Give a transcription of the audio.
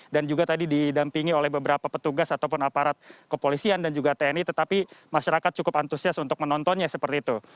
dan juga tadi didampingi oleh beberapa petugas ataupun aparat kepolisian dan juga tni tetapi masyarakat cukup antusias untuk menontonnya seperti itu